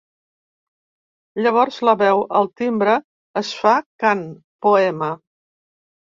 Llavors la veu, el timbre, es fa cant, poema.